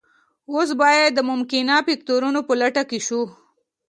اوس باید د ممکنه فکتورونو په لټه کې شو